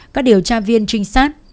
các điều tra viên trinh sát